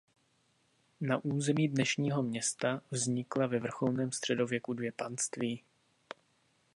Na území dnešního města vznikla ve vrcholném středověku dvě panství.